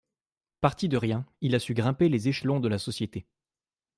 Parti de rien il a su grimper les échelons de la société.